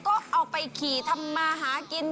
ก็เอาไปขี่ทำมาหากิน